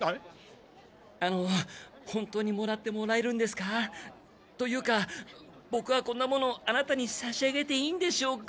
あの本当にもらってもらえるんですか？というかボクはこんなものあなたにさしあげていいんでしょうか？